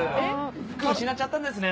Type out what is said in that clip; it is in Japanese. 服、失っちゃったんですね。